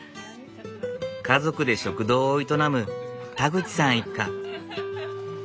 家族で食堂を営む田口さん一家。